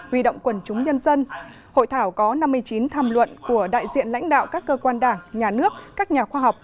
huy động quần chúng nhân dân hội thảo có năm mươi chín tham luận của đại diện lãnh đạo các cơ quan đảng nhà nước các nhà khoa học